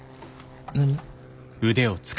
何？